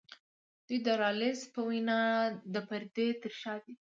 دوی د رالز په وینا د پردې تر شا دي.